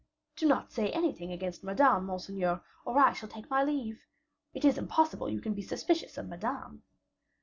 "Do not say anything against Madame, monseigneur, or I shall take my leave. It is impossible you can be suspicious of Madame?"